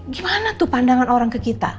gimana tuh pandangan orang ke kita